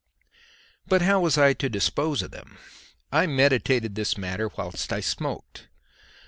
But how was I to dispose of them? I meditated this matter whilst I smoked.